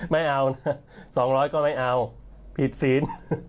ไม่เอานะ๒๐๐ก็ไม่เอาผิดศีล